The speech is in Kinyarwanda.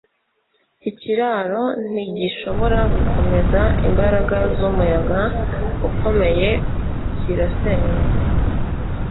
ikiraro ntigishobora gukomeza imbaraga zumuyaga ukomeye kirasenyuka